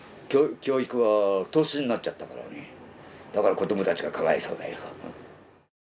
教育は投資になっちゃったからねだから子どもたちがかわいそうだよ